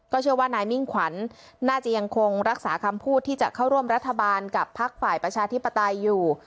เชื่อว่านายมิ่งขวัญน่าจะยังคงรักษาคำพูดที่จะเข้าร่วมรัฐบาลกับพักฝ่ายประชาธิปไตยอยู่